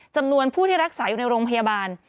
จำนวนผู้ที่รักษาอยู่ในโรงพยาบาล